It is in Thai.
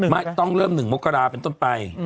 ไม่ต้องเริ่ม๑มกราเป็นต้นไป